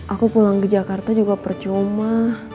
aku pulang ke jakarta juga percuma